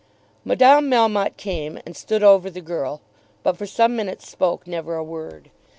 Madame Melmotte came and stood over the girl, but for some minutes spoke never a word.